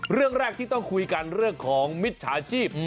เรื่องแรกที่ต้องคุยกันเรื่องของมิจฉาชีพ